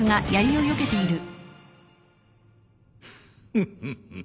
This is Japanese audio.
フフフ。